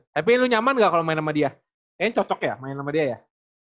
tapi lu nyaman gak kalau main sama dia kayaknya cocok ya main sama dia ya